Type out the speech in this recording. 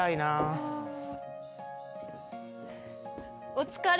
お疲れ。